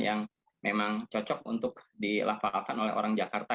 yang memang cocok untuk dilafalkan oleh orang jakarta